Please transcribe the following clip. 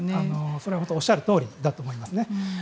それはおっしゃるとおりと思います。